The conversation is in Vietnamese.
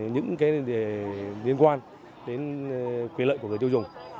những liên quan đến quyền lợi của người tiêu dùng